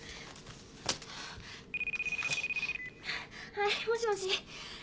はいもしもし。